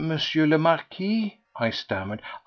le Marquis?" I stammered.